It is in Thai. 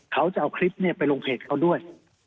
เขาจะเอาคลิปไปลงเพจเขาด้วย